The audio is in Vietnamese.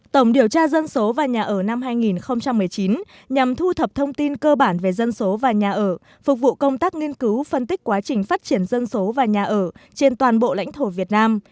tổng điều tra dân số và nhà ở năm hai nghìn một mươi chín nhằm thu thập thông tin cơ bản về dân số và nhà ở phục vụ công tác nghiên cứu phân tích quá trình phát triển dân số và nhà ở trên toàn bộ lãnh thổ việt nam